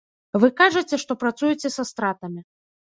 А вы кажаце, што працуеце са стратамі.